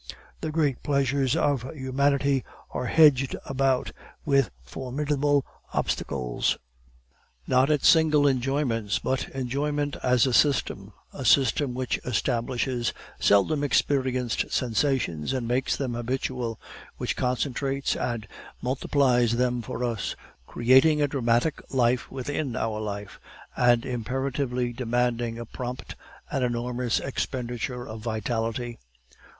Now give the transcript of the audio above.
The great pleasures of humanity are hedged about with formidable obstacles; not its single enjoyments, but enjoyment as a system, a system which establishes seldom experienced sensations and makes them habitual, which concentrates and multiplies them for us, creating a dramatic life within our life, and imperatively demanding a prompt and enormous expenditure of vitality.